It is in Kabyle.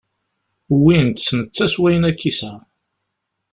Wwin-t, s netta, s wayen akk yesɛa.